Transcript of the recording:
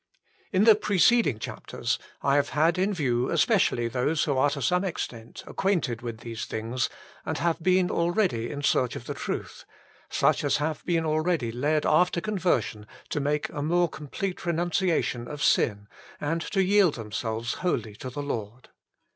In the preceding chapters I have had in view especially those who are to some extent ac quainted with these things, and have been already in search of the truth : such as have been already led after conversion to make a more complete renunciation of sin, and to yield themselves wholly to the Lord.